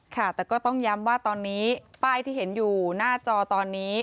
ค่ะแต่ก็ต้องย้ำว่าตอนนี้ป้ายที่เห็นอยู่หน้าจอตอนนี้